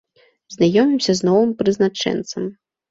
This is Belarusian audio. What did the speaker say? Знаёмімся з новым прызначэнцам.